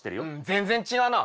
全然違うな。